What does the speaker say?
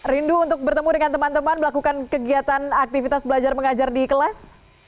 rindu untuk bertemu dengan teman teman melakukan kegiatan aktivitas belajar mengajar di kelas